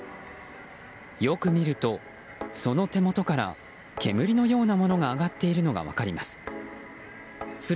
よく見ると、その手元から煙のようなものが上がっているのが分かります。